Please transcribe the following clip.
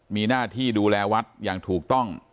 มีหน้าที่ดูแลวัดอย่างถูกต้อง